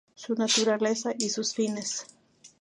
Su naturaleza y sus fines".